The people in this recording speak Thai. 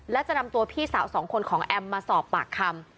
และจะนำตัวพี่สาวสองคนของแอมมาสอบปากคำ